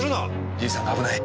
じいさんが危ない。